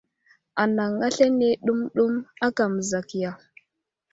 Anaŋ aslane ɗəmɗəm aka məzakiya.